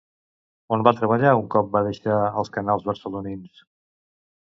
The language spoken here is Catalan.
On va treballar un cop va deixar els canals barcelonins?